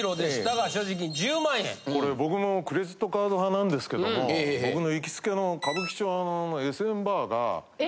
これ僕もクレジットカード派なんですけども僕の行きつけの歌舞伎町のＳＭバーが。え？